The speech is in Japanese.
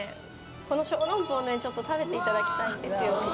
この小籠包ねちょっと食べていただきたいんですよ